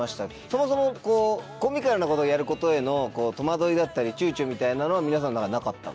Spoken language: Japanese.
そもそもコミカルなことをやることへの戸惑いだったり躊躇みたいなのは皆さんの中でなかったんですか？